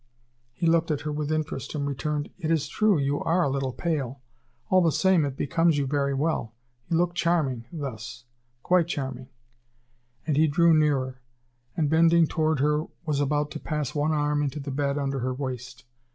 He looked at her with interest, and returned: "It is true, you are a little pale. All the same, it becomes you very well. You look charming thus quite charming." And he drew nearer, and bending toward her was about to pass one arm into the bed under her waist.